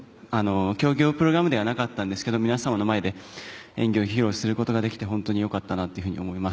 競技用のプログラムではなかったんですけど皆様の前で演技を披露することができて本当に良かったなと思います。